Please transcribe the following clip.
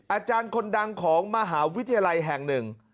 อาจารย์คนดังของมหาวิทยาลัยแห่งหนึ่ง